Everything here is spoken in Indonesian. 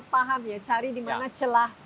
paham ya cari dimana celah